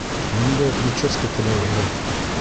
Ниндәй прическа теләйһегеҙ?